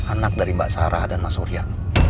anak dari mbak sarah dan mas surya